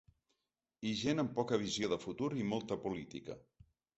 I gent amb poca visió de futur i molta política.